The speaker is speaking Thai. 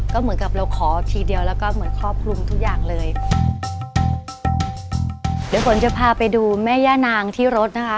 ก็เหมือนกับเราขอทีเดียวแล้วก็เหมือนครอบคลุมทุกอย่างเลยเดี๋ยวฝนจะพาไปดูแม่ย่านางที่รถนะคะ